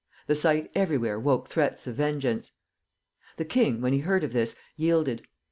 The sight everywhere woke threats of vengeance. The king, when he heard of this, yielded.